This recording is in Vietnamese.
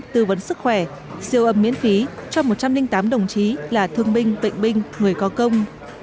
tư vấn sức khỏe siêu âm miễn phí cho một trăm linh tám đồng chí là thương binh bệnh binh người có công